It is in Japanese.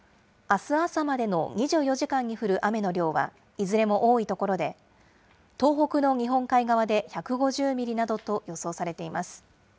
あす朝までの２４時間に降る雨の量は、いずれも多い所で、東北の日本海側で１５０ミリなどと予想されています。